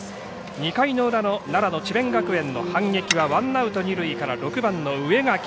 ２回の裏の奈良の智弁学園の反撃は、ワンアウト二塁から６番の植垣。